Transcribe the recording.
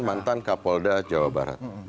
mantan kapolda jawa barat